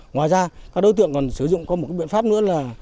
ngoài ra các đối tượng còn sử dụng có một biện pháp nữa là